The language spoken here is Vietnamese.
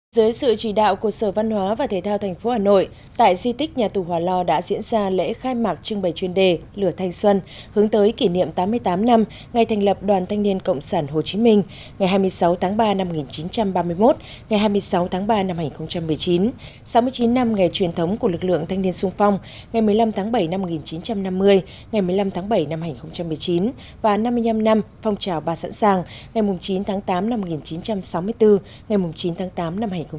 dưới sự chỉ đạo cột sở văn hóa và thể thao tp hà nội tại di tích nhà tù hòa lo đã diễn ra lễ khai mạc trưng bày chuyên đề lửa thanh xuân hướng tới kỷ niệm tám mươi tám năm ngày thành lập đoàn thanh niên cộng sản hồ chí minh ngày hai mươi sáu tháng ba năm một nghìn chín trăm ba mươi một ngày hai mươi sáu tháng ba năm hai nghìn một mươi chín sáu mươi chín năm ngày truyền thống của lực lượng thanh niên xuân phong ngày một mươi năm tháng bảy năm một nghìn chín trăm năm mươi ngày một mươi năm tháng bảy năm hai nghìn một mươi chín và năm mươi năm năm phong trào ba sẵn sàng ngày chín tháng tám năm một nghìn chín trăm sáu mươi bốn ngày chín tháng tám năm một nghìn chín trăm năm mươi